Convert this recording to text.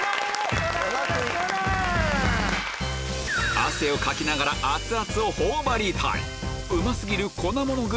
汗をかきながら熱々を頬張りたい！